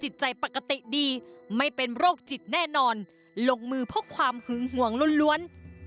จิตใจปกติดีไม่เป็นโรคจิตแน่นอนลงมือเพราะความหึงห่วงล้วน